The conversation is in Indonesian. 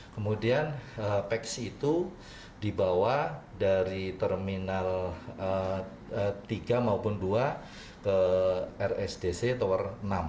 kemudian peksi itu dibawa dari terminal tiga maupun dua ke rsdc tower enam